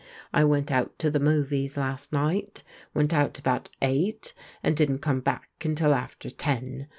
I vrcnt out to the movies last nighL Went out about eight and didn't come back until after ten.